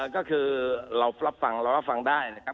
ก็คือเรารับฟังได้นะครับ